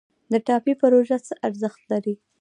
د ټاپي پروژه څه ارزښت لري؟